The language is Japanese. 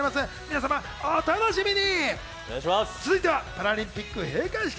皆様、お楽しみに。